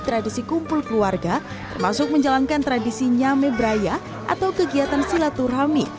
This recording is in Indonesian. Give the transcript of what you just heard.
tradisi kumpul keluarga termasuk menjalankan tradisi nyameh beraya atau kegiatan silaturhami